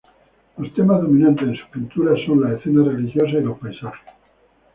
Los temas dominantes en sus pinturas son las escenas religiosas y los paisajes.